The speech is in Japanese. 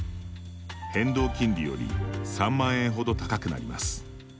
変動金利より３万円ほど高くなります。